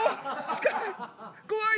近い！